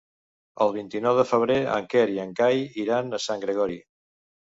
El vint-i-nou de febrer en Quer i en Cai iran a Sant Gregori.